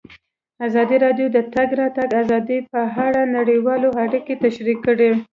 ازادي راډیو د د تګ راتګ ازادي په اړه نړیوالې اړیکې تشریح کړي.